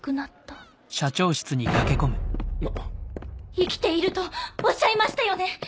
生きているとおっしゃいましたよね！